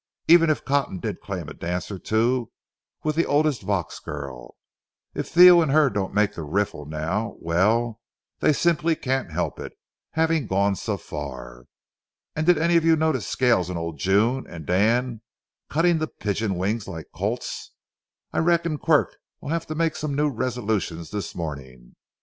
Even if Cotton did claim a dance or two with the oldest Vaux girl, if Theo and her don't make the riffle now—well, they simply can't help it, having gone so far. And did any of you notice Scales and old June and Dan cutting the pigeon wing like colts? I reckon Quirk will have to make some new resolutions this morning.